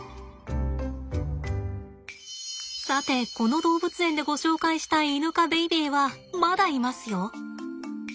さてこの動物園でご紹介したいイヌ科ベイベーはまだいますよ。